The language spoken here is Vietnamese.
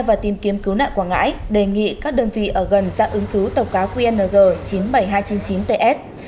và tìm kiếm cứu nạn quảng ngãi đề nghị các đơn vị ở gần ra ứng cứu tàu cá qng chín mươi bảy nghìn hai trăm chín mươi chín ts